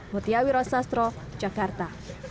motiawi rosastro jakarta